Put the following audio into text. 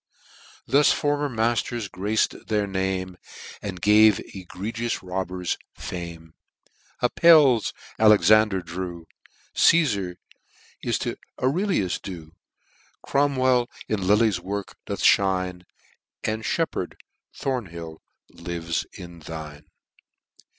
Thus former matters grac'd their name. And gave egregious robbers fame.jj Appelles, Alexander drew, Casfar is to Aurellius due, Cromwell in Lely's works doth mine, And Sheppard, Thornhill, lives in thine.'